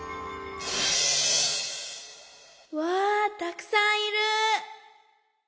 わあたくさんいる！